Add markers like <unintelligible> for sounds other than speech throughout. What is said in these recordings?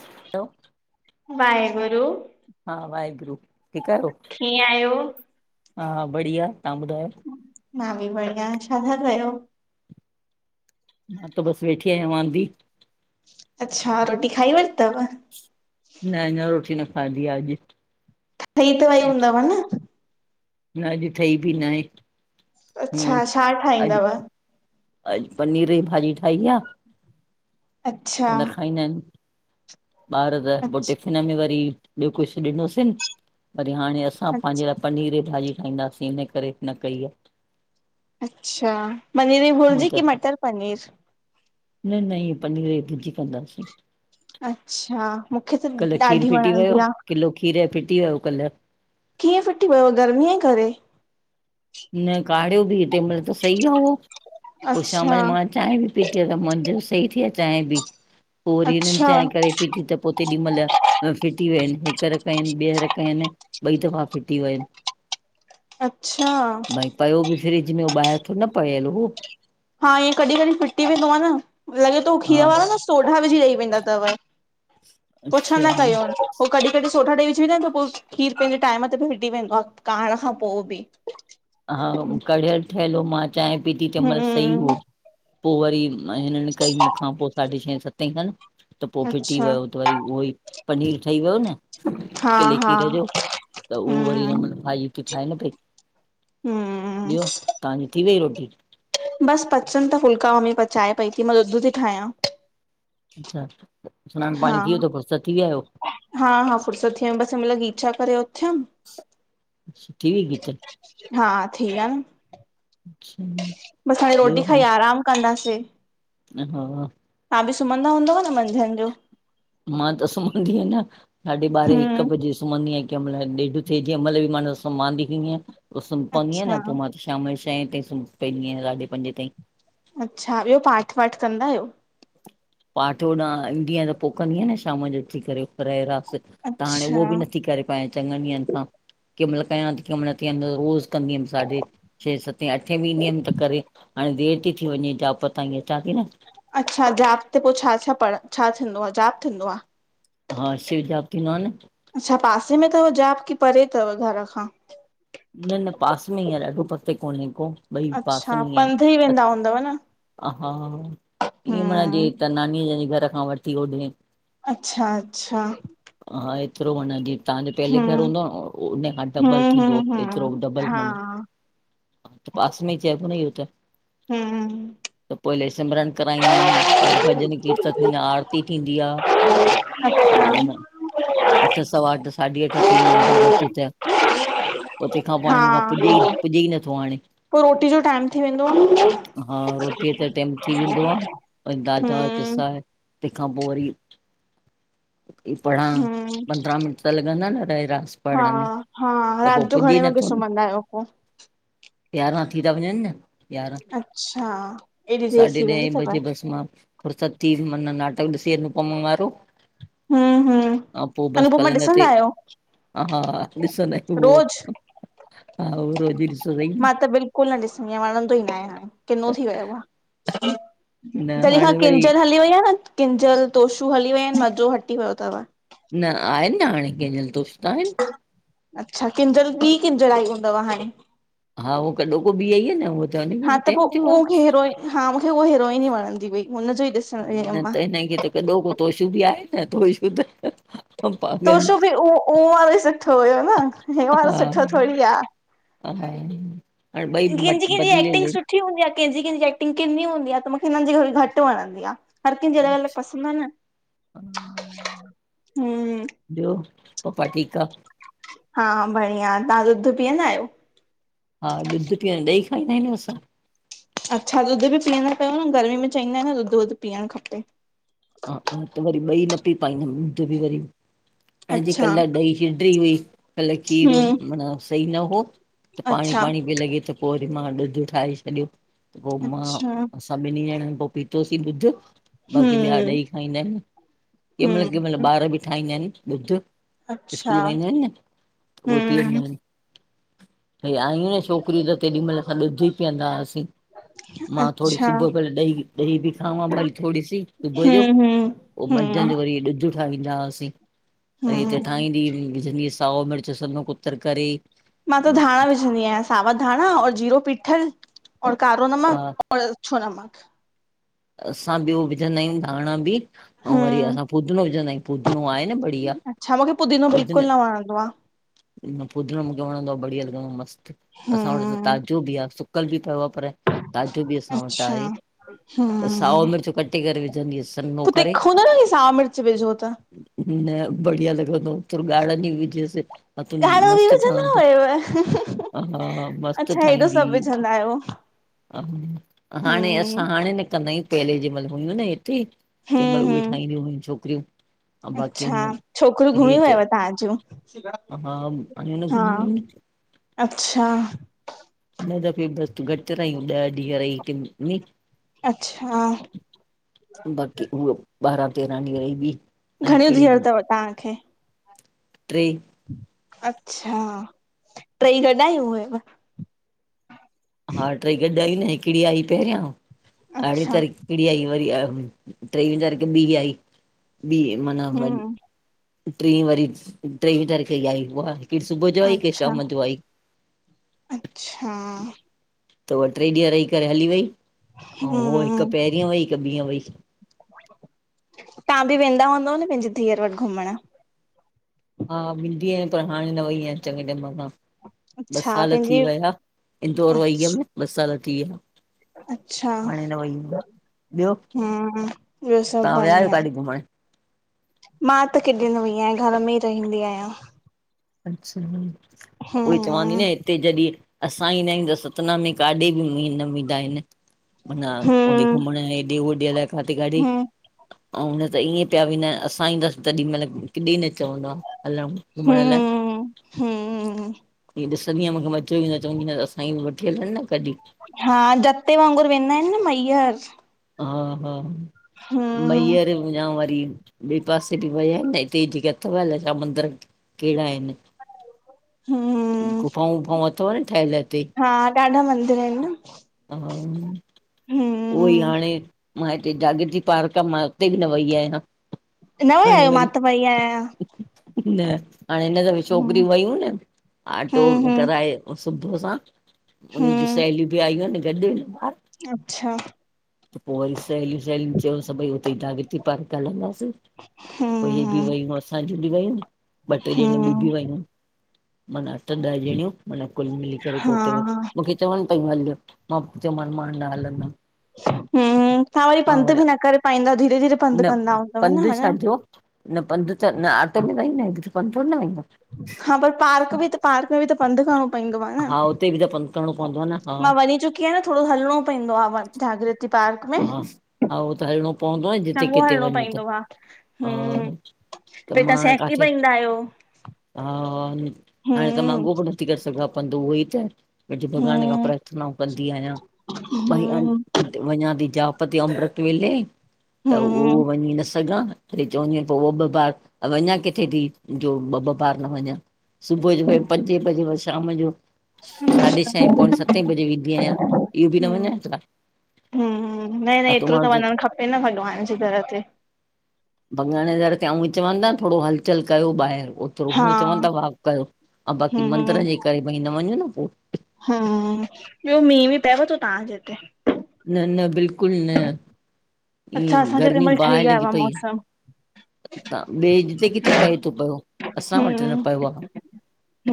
हलो। वाहेगुरु। हा वाहेगुरु, ठीक आयो? कीअं आहियो? हा, हा बढ़िया। तहां ॿुधायो। मां बि बढ़िया। छा ता कयो। ह त बस वेठी आयां वांदी। अच्छा। रोटी खाई वरितव? न अना रोटी न खाधी आ अॼ। ठही त वई हूंदव न? न अॼु ठही बि न आहे। हूअं अच्छा। छा अॼु ठाहींईंदव? अॼु पनीर जी भाॼी ठाही आ। अच्छा त न खाईंदा आहिनि। ॿार त पो अछ टिफ़िन में वरी ॿियो कुझु ॾिनोसींन। वरी हाणे असां अछ पंहिंजे लाइ। पनीर जी भाॼी ठाहींदासीं। हिन करे न कई आहे। अच्छा पनीर ई हूअं भुर्जी त की मटर पनीर? न न इएंं पनीर जी भुजी कंदासीं। अच्छा। मूंखे कल्ह त खीरु ॾाढी फिटी वियो वणंदी आ। किलो खीर फिटी वयो कल्ह। कीअं फिटी वयो गर्मीअ जे करे? न काढ़ियो बि तंहिं महिल त सही आ उहो पोइ शाम जो अच्छा मां चांहिं बि पीती आ। त मुंहिंजो सही थी वियो आहे चांहिं बि पोइ वरी हिननि अच्छा चां करे फिटी त पोइ तेॾी महिल फिटी विया आहिनि हिक र कयनि ॿियरकयनि ॿई दफ़ा फिटी वियनि। अच्छा। पयो बि फ्रिज में हो ॿाहिर थोर न पयल हो। हा इअ कॾहिं कॾहिं फिटी वेंदो आ न। लॻे थो खीर हा वारो न सोडा विझी ॾेई वेंदा थव पुछना अच्छा कयो। हो कढी कढी सोडा विजीई डींदा आइन त पो खीर पंहिंजे टाइम ते बि विटी वेंदो आ। कारण खां पो बि। हा कड़ियल ठहियल हो। मां चांहि पीती तंहिं महिल सई हम्म हो। पो वरी हिननि कई मूंखा पो साढे छह सते खनि त पो फिटी अच्छा वयो त वरी उहो ई पनीर ठही वियो न हा किले हा खीर जो त उहो वरी हम्म म भाईती ठाहे न पई। हम्म। ॿियो, तव्हांजी थी वई रोटी? बस पचनि त फुल्का। मम्मी पचाए पई थी मां ॾुध थी ठाहियां। अच्छा। सनानु हा पाणी थी वियो थो फुरसत थी विया आहियो। हा हा फुरसत थी वमि। बसि मतिलब घीचा करे उथियमि छठी वी गिचा। हा थीया न। अच्छा बसि हाणे रोटी खाई आराम कंदासीं। ह हा। तहां बि सुम्हंदा हूंदव न मंझंदि जो। मां त सुम्हंदी आहियां न साढे ॿारहें हिकु हम्म बजे सुम्हदी आहियां कीहिं महिल ॾेढि थएंहिंमहिल म सु्हांंदंद सुम्हंदी आ अच्छा न पो शाम जो छहें ताईं सुम पई हूंदी आयां साॾे पंजे ताईं। अच्छा, ॿियो पाठ वाठ कंदा आहियो? पाठ होॾा ईंदी आयां त पो कंदी आयां न शाम जो उथी करे परेरास त हाणे उहो अच्छा बि नथी करे पायां चङनि ॾींहनि खां केंमहिल कयां ती केंमहिल कियं नत रोज़ कंदी हुम साढ़े छहें सते अठें भी ईंदीयम त करे, हाणे देरि ती थी वञे जाप ताईं अचां ती न अच्छा, जाप ते पो छा -छा पढ छा थींदो आ जाप थींदो आ? हा, शिव जाप थींदो आ न, अच्छा, पासे में तव जाप की परे तव घर खां? न -न पास में ई आ, ॾाढो परते कोन्हे को। ॿई पास अच्छा में ई पंध आहिनि, वेंदा हूंदव न? ह हा ईअं माना हम्म जिअं त नानीअ जन जे घर खां वठी होॾे अच्छा- अच्छा, हा, एतिरो माना जीअं तव्हांजो पहले घर हम्म हूंदो हो उन खां डबल हम्म थींदो। हम्म एतरो हम्म डबल हा माना पास में ई चेबो न ईयो त। हम <inaudible> त पोइले सिमरन कराईंदाइन वरी भॼन कीर्तन थींदा, आरती थींदी आ। अच <inaudible> त माना अठ सवा अठ साढी अठ थी वञन घर अच त। पो तंहिंखां पो हा हाणे मूंखां पुॼे ई पुॼे ई नथो हाणे। पो रोटी जो टाइम थी वेंदो आ न, हा रोटीअ ते टाइम थी वेंदो आ वरी दाल चांवर हम्म पिसाए, तंहिंखां पो वरी हे पढ़ां हम्म पंद्रह मिंट, त लॻंदा न रहे रा <unintelligible> हा- हा, राति जो घणे वॻे न सुम्हंदा आहियो पो? यारहां थी ता वञनि न यारहां अच्छा एॾी देर थी साढे वेंदी ॾहें तव? बजे बस मां फुरसत थी <unintelligible> मन नाट सेर न पोइम वारो हम्म हम्म हा पो बस अनुपमा पलंग ते, ॾिसंदा आहियो ह हा ॾिसंदायूं रोज़? उहो, हा उहो रोज़ ई ॾिसंदा आहियूं मां त बिल्कुलु न ॾिसंदी आं, वणंदो ई नाहे हाणे किनो थी वियो आ। न जॾहिं खां हाणे वरी किंजल हली वई आ न, किंजल तोशू हली विया इनि मज़ो हटी वियो तव। न आहिन न हाणे केंजल तोषू त आहिन। अच्छा, किंजल ॿी किंजल आई हूंदव हाणे। हा, उह कॾो को ॿी आई आ न हूअ। हा त पो उहो हीरोइन हा मूंखे उह हीरोइन ई वणंदी हुई, हुनजो ई ॾिस न त हिन खे त कॾो को तोशू बि आहे न तोशू त पागल तोशू बि उहो उहो वारो ई सुठो हुयो न हे वारो सुठो थोड़ी आ। ह हाणे ॿई कंहिंजी मट कंहिंजी बदिलियल एक्टिंग इनि। सुठी हूंदी आ कंहिंजी- कंहिंजी एक्टिंग कीन्नी हूंदी आ त मूंखे हिननि जी थोड़ी घटि वणंदी आ। हर कंहिंजी अलग- अलग पसंद आ न, हा, हम्म ॿियो, पपा ठीकु आ? हा बढ़िया, तव्हां ॾुध पीअंदा आहियो? हा ॾुध पीअं ॾई खाईंदा आहियूं न असां। अच्छा ॾुध बि पीअंदा कयो न गर्मी में चइंदाइन न ॾुध वुध पीअणु खपे। हा हा त वरी ॿई न पी पाईंदमि ॾुध बि वरी अॼ अच्छा कल ॾही शिड्री हुई कल्ह खीर हम्म माना सही न हो, त पाणी अच्छा पाणी पई लॻे त पो वरी मां ॾुधु ठाहे छॾियो त पो मां अच्छा असां ॿिनी ॼणनि पो पीतोसीं डुधु। बाक़ी ॿिया हम्म ॾई खाईंदा आहिनि। कंहिंमहिल कंहिंमहिल हम्म ॿार बि ठाहींदा आहिनि डुधु अच्छा स्कूल मां ईंदा आइनि न, उहे पी्ंदा हम्म आइन। भई आहियूं न छोकिरियूं त तेॾीमहिल ॾुध ई पीअंदा हुआसीं। मां थोरी अच्छा सुबुह पहिल ॾही ॾही बि खावां पइ थोरी सी सुबह जो, हम्म पो हम्म मझन हम्म जो डुधु ठाहीदा हुआसीं। वरी हिते हम्म ठाहदी हुई विझंदीअस साओ मिर्च सनो कुतर करे मा त धाणा विझंदी आहिया। सावा धाणा, जीरो पीठल और कारो हा नमक अउं अच्छो नमक। असां ॿियो विझदा आहियूं धाणा बि। अउं वरी हम्म फुदनो विझंदा आहियूं फुदनो आहे न बढीया। छा मूखे फुदीनो बिल्कुल न वणदो आ। न फुदणो मूखे वणदो आ बढ़िया लॻदो आ मस्त। असां वट त हम्म ताज़ो भी आ कल भी वयो आ पर ताजो भी असा वट अच्छा आहे, त साओ मिर्च कटे करे विझंदीहस त तीखो न साओ मिर्च विझो त न बढ़िया लॻदो तव। तुर गाढ़न जी विझेस गाड़ो भी विझंदा हुयव। हा मस्तु अच्छा, हेॾो ठाहींदी सभु विझंदा आयो। हाणे, असा हाणे न कंदा आयूं पहिले जेमल हुडो न ठ हम्म तहिमल उहे हम्म ठाहीदियू हुयू छोकरियूं अच्छा। छोकरियूं घुमी त वयव तव्हां जूं? हा आयूं न हा घुमी अच्छा। हिन दफ़े बस घट रहयू ॾह ॾीह रही किन अच्छा। बाक़ी हुव बारा तेरा डींह रही हुई। ऐ घणियूं हिकड़ी धीअरूं बि अथव तव्हांखे टे अच्छा। टई गॾ आयू हुयव? हा टई गॾ आयूं न। हिकिड़ी आई पहरिया, अड़ी अच्छा तारीख़ हिकड़ी आई वरी टई हचार ॿी आई बी माना हम्म टी वरी टेवीह तारीख़ ई आई। उहा की सुबुह जो आई, की अच्छा शाम जो आई। अच्छा त उह टे ॾीह रही करे हली वई ऐ उह हम्म हिकु पहरीयं वई, हिकु ॿीह वई। तव्हां भी वेदा हूदव न पहिंजी धीअर वट घुमण? हा वींदी आयां पर हाणे न वेई आयां चवे टेम खां। ॿ अच्छा साल थी पंहिंजी वया। अ इंदौर वई हम ॿ साल थी वया। अच्छा। ॿियो हम्म ॿियो सभु तव्हां विया आहियो बढ़िया। काॾे घुमण मा त किॾे न वई आया, घर मे ई रहंदी आया। अच्। छा उई चवांती हम्म न हुते जॾहिं असां ईंदा आहियू त सतना मे काॾे घुमण न वेंदा आहिन। मन होडे हम्म घुमण हेॾे, होॾे अलाइ काथे काथे। हम्म अउ नत ईंय पया विनायन असा ईंदस तॾी मल किॾे न चवंदा हलऊं, घुमण लाइ। हम्हूं हीअं ॾिसंदी आया, मूखे मज़ो ईदो आ चवंदी आया असांखे वठी हलन न कडीं। हा जते वागुर वेदा आहिन न महीयर। हा हा हम्म महीयर या वरी बे पासे भी वया आहिन न हिते जेके अथव अल छा मंदर कहिड़ा आहिन‌ हूं। गुफाऊ वुफाऊ अथव न ठहयल ईते? हा ॾाढा मदीर आई न हा उहो ई हम्म हाणे मा हिते जागती पार्क आ मा उते भी न वई आया। न वया आयो मा त वई आया। न हाणे हिन दफ़े हम्म छोकिरियू वयू न आटो हम्म कराए। ऐ सुबुह सा उन्हन जू हम्म सहेलीयू भी आयू हन गॾ ॿार अच्छा। त पोइ वरी सहेलीयूं सहेलियूं चयो भई हुते जागती पार्क हलंदासीं। पोइ हे बि हम्म वयूं असांजी बि वयूं ॿ टे ॼणिय हम्म बि वयूं मना अठ ॾह ॼणियूं माना कुल मिली करे हा पोहुते वयूं। चवनि पयूं हलूं मां चम मां न हलंदम। हूं तहां वरी पंधु बि न करे पाईंद धीरे -धीरे पंधु न कंदा हूंदव न पंधु हा न। छाजो न पंधु तश त न आटो में वईयू न त पंधु थोॾी वईंदो। हा पर पार्क बि त पार्क में बि त पंध करिणो पवंदो आहे न? <unintelligible> करिणो पवंदो न मां हा वञी चुकी आहियां न थोॾो हलणो पवंदो आहे जागत पक में हा, हा उहो त हलणो पवंदो आहे जिते चंगो किथे हलणो वञो त पवंदो आहे हा हूं। त तव्हां मां सेकी काथे प ईंदा आहियो। हा हाणे त मांॻ हम्म बि नथी करे सघां पंध उहो ई त वजु भॻवान ज हम्म प्रार्थनाऊं कंदी आहियां भई हम्म वञा थी जापते अमृत वेले त हम्म उहो वञी न सघां चवंदी पोइ उ ॿ बॿार वञा किथे बि जो ॿ ॿ पार्क वञा सुबुह जो भ पंजे बजे शाम जो साढे छह पोण सत बजे वेंदी आहियां इहो बि न हम्म वञा छा? न -न अतो एतिरो माण्हू त वञणु खपे न भॻवान जे तरह ते। बॻाणेदड़ ते आं चवंदा थोॾो हलचल कयो ॿाहिरि। थोॾो हा हूअं चवनि था वॉक कयो ऐं बाक़ी मंदर जे करे भई न वञूं न पोइ। हूं ॿियो मींहु बि पएव थो तहांजे हित? न- न बिल्कुलु न अच्छा ईअ असांजे हिते गर्मी महिल ठही बाहि आयो लॻी आहे पईआ। मौसम त ॿिएते किथे पए थो पियो असां वट न हम्म पियो आहे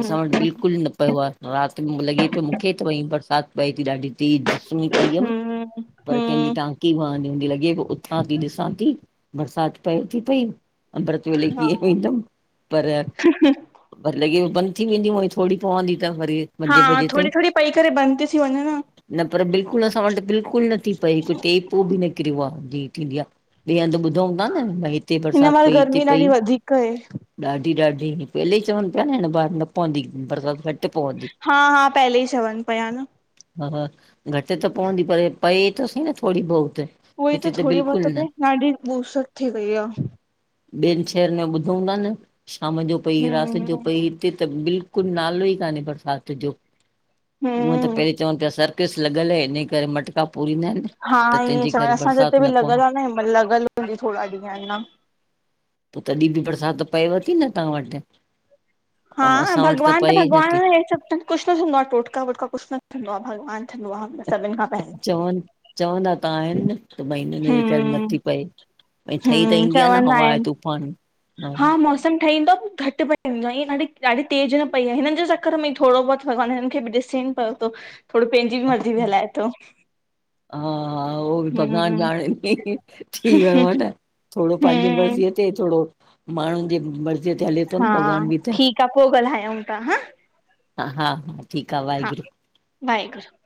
असां वट बिल्कुलु न पियो आहे रात लॻे पियो मूंखे त वई बरसाति पए थी ॾाढी तेज सु्ही पई हुयमि हम्म पर कंहिंजी हम्म कां की वांंदी हूंदी लॻे उथां थी ॾिसां थी बरसाति पए थी। पई अमृत वेले हा कीअं कोईंदमि पर भ लॻे बंदि थी वेंदी हुई थोॾो पवंदी त वरी। हा मंझे बजे थोॾो ताईं -थोॾो पई करे बंदि थी थी वञे न। न पर बिल्कुलु असां वटि बिल्कुलु नथी पए हिकु टेपो बि नकिरियो आहे जी थींदी आ। ॿिए हंधि ॿुधूं था न भई हिते हिन बरसाति महिल पई हिते गर्मी पई। ॾाढी वधीक आहे ॾाढी- ॾाढी पहले च ह पिया न हिन बार न पंदी बरसात हा हा पहले ई चवन पया न। हा हा घटि त पवंदी पर हे पए त सईं न थो थोड़ी बहुत। उहोई त हिते थोड़ी बहुत बिल्कुलु त न पऐ ॾाढी ॿूसट थी वई आ। ॿियनि शहरन में ॿुधऊं ता न शाम जो पई राति हम्म जो पई हिते त बिल कुझ नालो ई कान्हे बरसाति जो हुअं त हम्म पहिरें चवनि पिया सर कस लॻल ऐ इन ये करे मटका पूरींदा इन न। हा ई ऐं चवण सांअसांजे इते बि लॻल पवनि आ न हिमल लगल हुजे थोड़ा ॾींहं हिन पो तॾि बि बरसात त पएव ती न तहां वटि। ऐं हा असां वटि भॻवान त पए ई भगवान आ नथी न। हे सब त कुछ न थींदो आ टोटका वोटका कुछ न थींदो आ भॻवान थींदो आ बस। चवनि चवंदा त आहिनि त भई हिनन जे ही करे हम्म नथी पए। भई ठई त हम्म ईंदी आ न चवंदा हवा ऐं आहिनि तूफान। हा मोस सम ठहींदो घटि पईंदो आ ईअं ॾाढी ॾाढी तेज़ न पई आहे हिननि जे चक्कर में थोड़ो बहुत भॻवान हिननि खे बि ॾिसेनि। पऊ तो थोड़ो पेंजी बि मर्ज़ी बि हलाए थो। हा हा उहो बि भॻवान हम्म ॾाणे थी, थी वयो आ न थोड़ो पांजी हम्म मरजीअ ते थोड़ो माण्हुनि जे मर्ज़ी ते हले। थो हा न भॻवान बि त ठीक आ पो ॻल्हायूं ता हं। हा हा ठीक आ वाहेगुरु। वाहेगुरु।